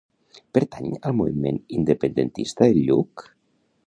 Pertany al moviment independentista el Lluc?